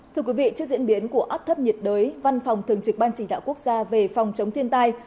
thưa quý vị trước diễn biến của áp thấp nhiệt đới văn phòng thường trực ban chỉ đạo quốc gia về phòng chống thiên tai